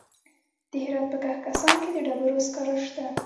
د هرات په کهسان کې د ډبرو سکاره شته.